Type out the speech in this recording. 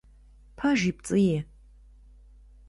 Пэжи, пцӏыи…